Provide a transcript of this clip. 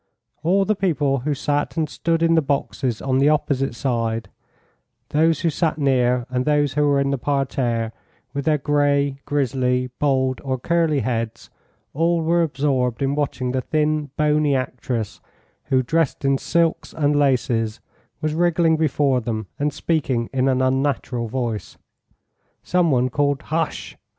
All the people who sat and stood in the boxes on the opposite side, those who sat near and those who were in the parterre, with their grey, grizzly, bald, or curly heads all were absorbed in watching the thin, bony actress who, dressed in silks and laces, was wriggling before them, and speaking in an unnatural voice. Some one called "Hush!"